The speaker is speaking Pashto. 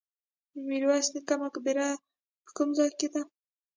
میرویس نیکه مقبره په کوم ځای کې ده؟